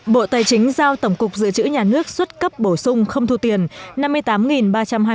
bộ tài chính vừa có quyết định về việc xuất bổ sung gạo dự trữ quốc gia hỗ trợ học sinh học kỳ hai năm học hai nghìn hai mươi ba hai nghìn hai mươi bốn